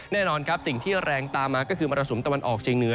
แน่นอนสิ่งที่แรงตามมาก็คือมรสมตะวันออกชีวิตเตียงเหนือ